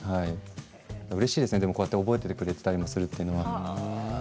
うれしいですね、こうやって覚えていてくれたりもするというのは。